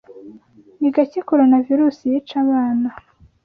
Ni gake Coronavirusi yica abana